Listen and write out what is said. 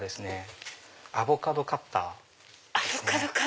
アボカドカッターですね。